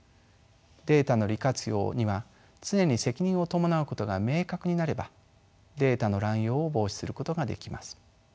データの利活用には常に責任を伴うことが明確になればデータの乱用を防止することができます。